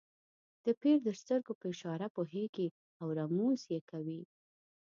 د پیر د سترګو په اشاره پوهېږي او رموز یې کوي.